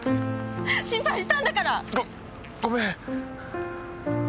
心配したんだから！ごごめん。